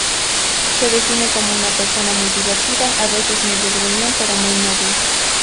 Se define como una persona muy divertida, a veces medio gruñón, pero muy noble.